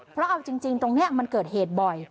เพราะเอาจริงตรงนี้มันเกิดเหตุบ่อย